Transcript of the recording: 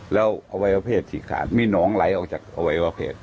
แล้วอวัยวะเพศฉีกขาดมีหนองไหลออกจากอวัยวะเพศ